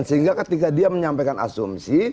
sehingga ketika dia menyampaikan asumsi